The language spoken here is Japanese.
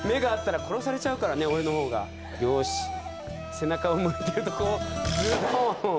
「背中を向けてるとこをズドーン」。